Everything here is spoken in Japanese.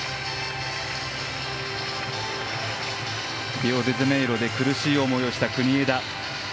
リオデジャネイロで苦しい思いをした国枝。